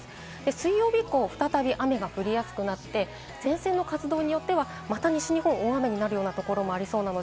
水曜日以降は再び雨が降りやすくなって、前線の活動によってはまた西日本は大雨になるようなところがありそうです。